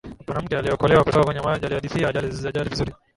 mwanamke aliyeokolewa kutoka kwenye maji aliadhithia ajali vizuri